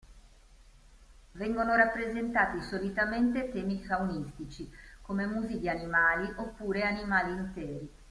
Vengono rappresentati solitamente temi faunistici, come musi di animali oppure animali interi.